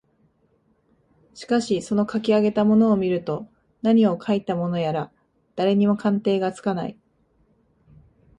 しかしそのかき上げたものを見ると何をかいたものやら誰にも鑑定がつかない